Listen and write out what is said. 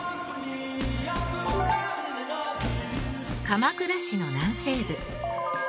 鎌倉市の南西部。